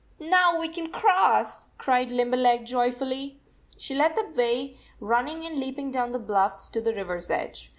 "Now we can cross," cried Limberleg, joyfully. She led the way, running and leaping down the bluffs to the river s edge.